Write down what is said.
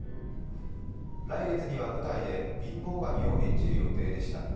来月には、舞台で貧乏神を演じる予定でした。